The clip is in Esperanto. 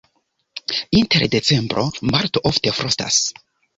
Inter decembro-marto ofte frostas.